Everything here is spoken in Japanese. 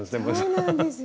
そうなんですよ